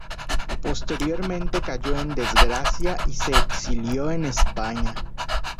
Posteriormente cayó en desgracia y se exilió en España.